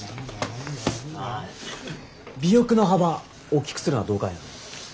尾翼の幅おっきくするのはどうかやな。